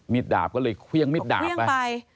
ดาบก็เลยเครื่องมิดดาบไป